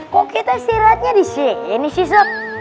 kok kita istirahatnya disini sob